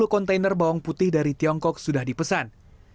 empat puluh kontainer bawang putih dari tiongkok sudah dipesan